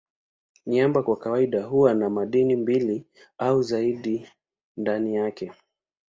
Miamba kwa kawaida huwa na madini mbili au zaidi ndani yake.